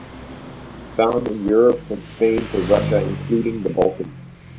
Found in Europe from Spain to Russia including the Balkans.